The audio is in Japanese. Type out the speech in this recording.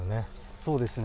そうですね。